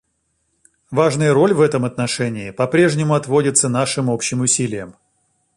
Важная роль в этом отношении по-прежнему отводится нашим общим усилиям.